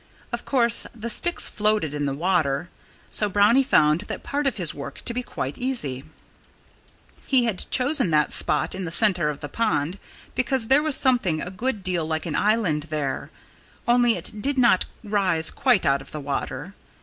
Of course, the sticks floated in the water; so Brownie found that part of his work to be quite easy. He had chosen that spot in the center of the pond because there was something a good deal like an island there only it did not rise quite out of the water.